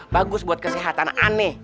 bagus buat kesehatan aneh